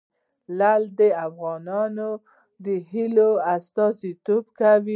لعل د افغان ځوانانو د هیلو استازیتوب کوي.